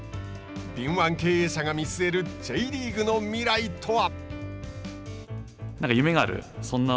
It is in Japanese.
敏腕経営者が見据えるＪリーグの未来とは。